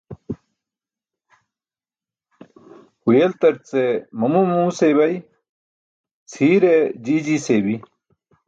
Huyeltarce mamu mamu seybay, cʰiire jii jii seybi.